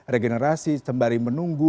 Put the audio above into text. regenerasi sembari menunggu